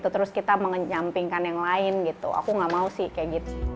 terus kita menyampingkan yang lain aku nggak mau sih kayak gitu